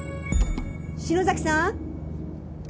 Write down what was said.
篠崎さん？